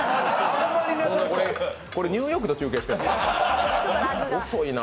これ、ニューヨークと中継してんの？